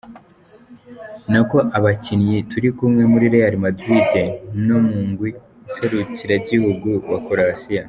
N'ako abakinyi turi kumwe muri Real Madrid no mu mugwi nserukiragihugu wa Croatia.